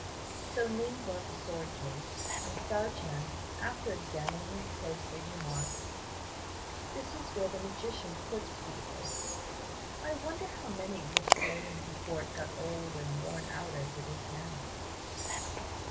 So Ning brought the sword case, and Hsiao ch'ien, after examining it closely, remarked, "This is where the magician puts people. I wonder how many were slain before it got old and worn out as it is now.